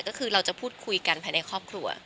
ก็คือเราจะพูดคุยกันภายในครอบครัว